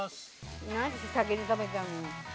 何で先に食べちゃうの？